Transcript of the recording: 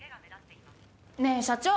ねえ社長。